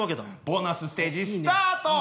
ボーナスステージスタート！